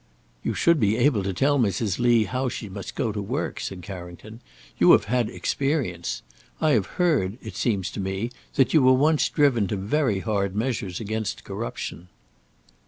"You should be able to tell Mrs. Lee how she must go to work," said Carrington; "you have had experience. I have heard, it seems to me, that you were once driven to very hard measures against corruption."